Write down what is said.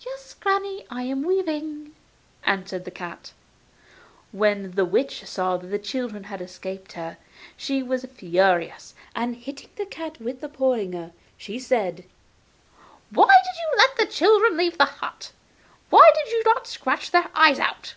'Yes, granny, I am weaving,' answered the cat. When the witch saw that the children had escaped her, she was furious, and, hitting the cat with a porringer, she said: 'Why did you let the children leave the hut? Why did you not scratch their eyes out?